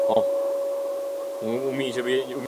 Město patří k nejstarším historickým sídlům v Nizozemí.